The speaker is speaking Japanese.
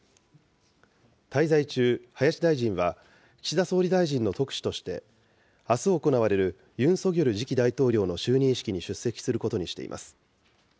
滞在中、林大臣は、岸田総理大臣の特使として、あす行われるユン・ソギョル次期大統領の就任式に出席することにしています。